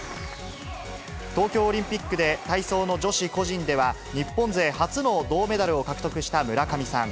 東京オリンピックで体操の女子個人では、日本勢初の銅メダルを獲得した村上さん。